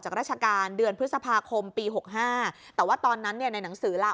ราชการเดือนพฤษภาคมปี๖๕แต่ว่าตอนนั้นเนี่ยในหนังสือลา